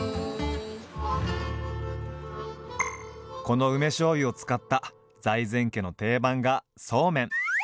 この梅しょうゆを使った財前家の定番がそうめん。